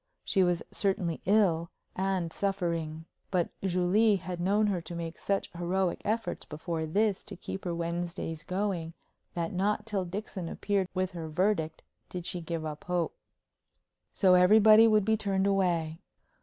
She was certainly ill and suffering; but Julie had known her make such heroic efforts before this to keep her Wednesdays going that not till Dixon appeared with her verdict did she give up hope. So everybody would be turned away.